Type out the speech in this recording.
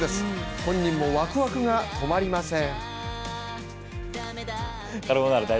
本人もワクワクが止まりません。